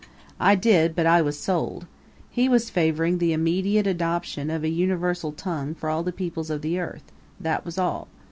I did; but I was sold. He was favoring the immediate adoption of a universal tongue for all the peoples of the earth that was all.